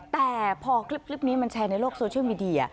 แต่พอคลิปนี้มันแชร์ในโลกโซเชียลมีเดีย